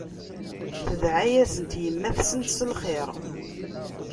Tedɛa-yasent yemma-tsent s lxir.